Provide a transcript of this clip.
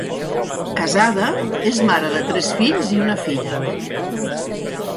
Casada, és mare de tres fills i una filla.